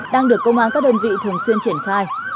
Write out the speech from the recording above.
đang được công an các đơn vị thường xuyên triển khai